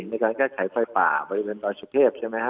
ในการแก้ไขไฟป่าบริเวณดอยสุเทพใช่ไหมฮะ